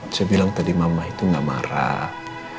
saya bilang tadi mama itu gak marah